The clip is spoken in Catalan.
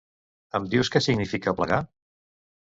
Em dius què significa plegar?